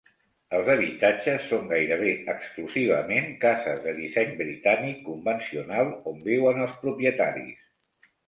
El habitatges són gairebé exclusivament cases de disseny britànic convencional on viuen els propietaris.